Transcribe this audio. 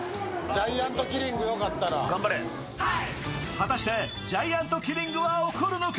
果たしてジャイアントキリングは起こるのか？